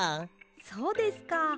そうですか。